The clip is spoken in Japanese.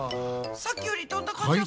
さっきより飛んだ感じ。